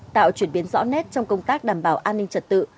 tạo chuyển biến rõ nét trong công tác đảm bảo an ninh trật tự